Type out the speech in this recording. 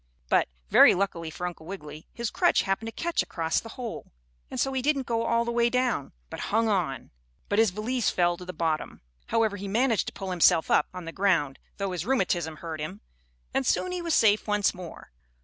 But, very luckily for Uncle Wiggily, his crutch happened to catch across the hole, and so he didn't go all the way down, but hung on. But his valise fell to the bottom. However, he managed to pull himself up on the ground, though his rheumatism hurt him, and soon he was safe once more.